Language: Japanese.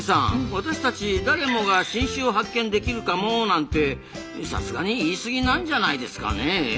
「私たち誰もが新種を発見できるかも」なんてさすがに言い過ぎなんじゃないですかね？